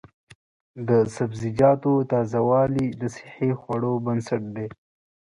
د سبزیجاتو تازه والي د صحي خوړو بنسټ دی.